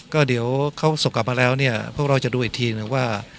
ก็เดี๋ยวเขาส่งกลับมาแล้วเนี่ยพวกเราจะดูอีกทีหนึ่งว่า